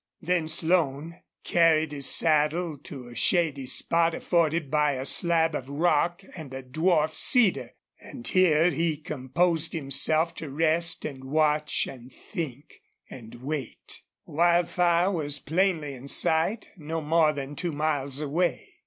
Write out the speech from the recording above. Then Slone carried his saddle to a shady spot afforded by a slab of rock and a dwarf cedar, and here he composed himself to rest and watch and think and wait. Wildfire was plainly in sight no more than two miles away.